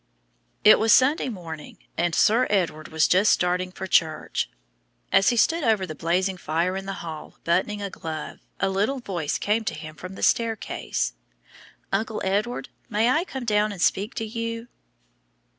It was Sunday morning, and Sir Edward was just starting for church. As he stood over the blazing fire in the hall buttoning a glove, a little voice came to him from the staircase: "Uncle Edward, may I come down and speak to you?"